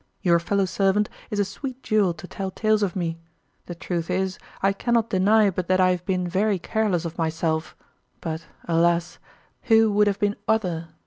Your fellow servant is a sweet jewel to tell tales of me. The truth is, I cannot deny but that I have been very careless of myself, but, alas! who would have been other?